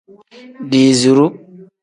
Diiziru.